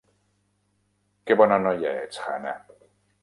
Que bona noia ets, Hana!